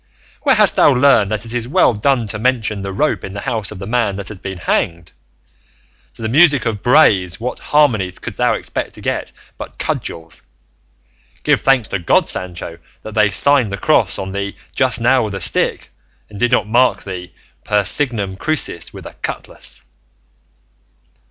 Where hast thou learned that it is well done to mention the rope in the house of the man that has been hanged? To the music of brays what harmonies couldst thou expect to get but cudgels? Give thanks to God, Sancho, that they signed the cross on thee just now with a stick, and did not mark thee per signum crucis with a cutlass."